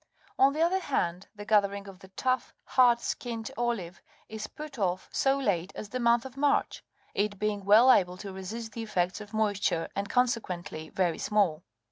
On the other hand, the gathering of the tough, hard skinned olive is put off so late as the month of March, it being well able to resist the effects of moisture, and, consequently, very small.